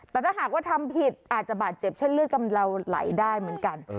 แต่ถ้าหากว่าทำผิดอาจจะบาดเจ็บเช่นเลือดกำเลาไหลได้เหมือนกัน